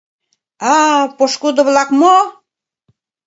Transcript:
А-а, пошкудо-влак мо?